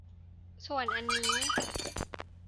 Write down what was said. ส่วนอันนี้